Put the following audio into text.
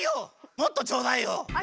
もっとちょうだいよおうえん！